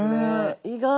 意外。